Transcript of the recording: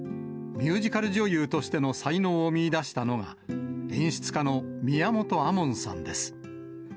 ミュージカル女優としての才能を見いだしたのが、演出家の宮本亞門さんです。